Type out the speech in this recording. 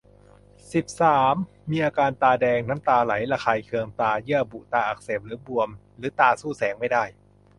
สิบสาม มีอาการตาแดง น้ำตาไหล ระคายเคืองตา เยื่อบุตาอักเสบหรือบวม หรือตาสู้แสงไม่ได้